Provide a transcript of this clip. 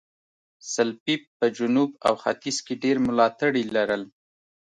سلپيپ په جنوب او ختیځ کې ډېر ملاتړي لرل.